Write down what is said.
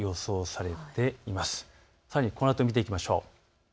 さらにこのあと見ていきましょう。